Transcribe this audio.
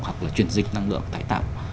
hoặc là truyền dịch năng lượng tải tạo